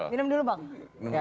minum dulu bang